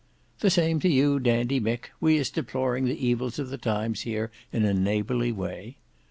"The same to you, Dandy Mick. We is deploring the evils of the times here in a neighbourly way."